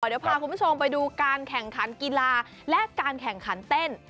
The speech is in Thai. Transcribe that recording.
เดี๋ยวพาคุณผู้ชมไปดูการแข่งขันกีฬาและการแข่งขันเต้น